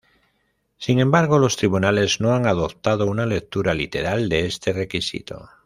Sin embargo, los tribunales no han adoptado una lectura literal de este requisito.